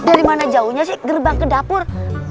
dari mana jauhnya sih gerbang ke dapur